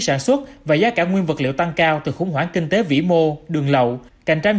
sản xuất và giá cả nguyên vật liệu tăng cao từ khủng hoảng kinh tế vĩ mô đường lậu cạnh tranh